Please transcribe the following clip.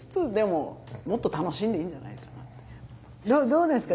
どうですか？